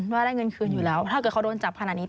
ว่าได้เงินคืนอยู่แล้วถ้าเกิดเขาโดนจับขนาดนี้